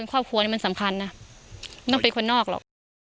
ครอบครัวนี้มันสำคัญนะต้องเป็นคนนอกหรอก